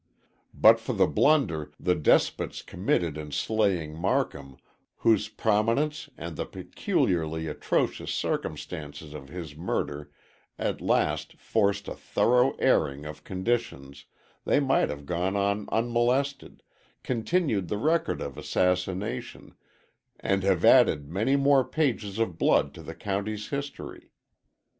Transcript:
But for the blunder the despots committed in slaying Marcum, whose prominence and the peculiarly atrocious circumstances of his murder at last forced a thorough airing of conditions, they might have gone on unmolested, continued the record of assassination, and have added many more pages of blood to the county's history.